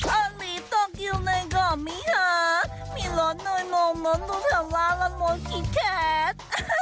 ออลลีตกอยู่ในกรอบมิฮะมีรถหน่วยหม่อมรถดูเถอะล่ะละมนต์กิ๊ดแขด